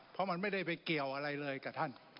เพราะมันไม่ได้ไปเกี่ยวอะไรเลยกับท่าน